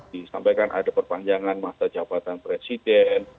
disampaikan ada perpanjangan masa jabatan presiden